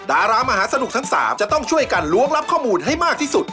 ดารามหาสนุกทั้ง๓จะต้องช่วยกันล้วงรับข้อมูลให้มากที่สุด